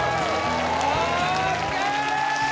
ＯＫ！